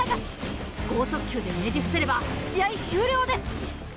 剛速球でねじ伏せれば試合終了です！